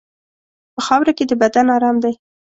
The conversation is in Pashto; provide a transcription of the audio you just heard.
په خاوره کې د بدن ارام دی.